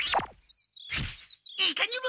いかにも！